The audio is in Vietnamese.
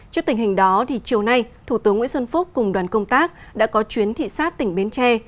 trước tình hình đó chiều nay thủ tướng nguyễn xuân phúc cùng đoàn công tác đã có chuyến thị xác tỉnh bến tre